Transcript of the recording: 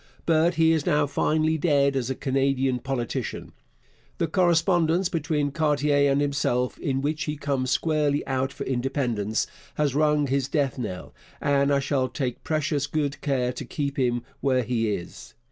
But he is now finally dead as a Canadian politician. The correspondence between Cartier and himself, in which he comes squarely out for independence, has rung his death knell, and I shall take precious good care to keep him where he is.